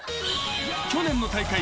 ［去年の大会。